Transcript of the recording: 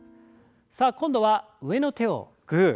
さあ今度は上の手をグー。